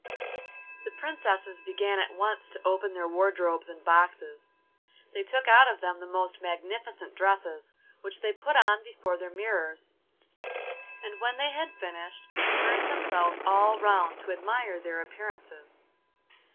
The princesses began at once to open their wardrobes and boxes. They took out of them the most magnificent dresses, which they put on before their mirrors, and when they had finished, turned themselves all round to admire their appearances.